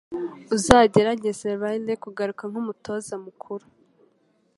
uzagerageza Riley kugaruka nkumutoza mukuru